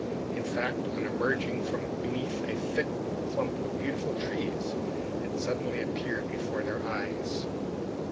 In fact, on emerging from beneath a thick clump of beautiful trees, it suddenly appeared before their eyes.